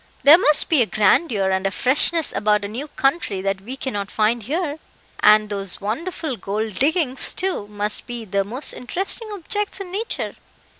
"There must be a grandeur and a freshness about a new country that we cannot find here; and those wonderful gold diggings, too, must be the most interesting objects in nature."